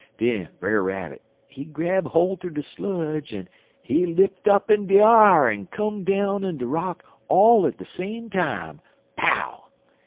Den Brer Rabbit, he grab holt er de sludge, en he lipt up in de a'r en come down on de rock all at de same time pow!